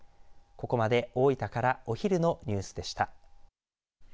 ここまで大分からお昼のニュースでした。